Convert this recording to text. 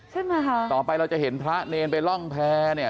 ใช่ไหมคะต่อไปเราจะเห็นพระเนรไปร่องแพร่เนี่ย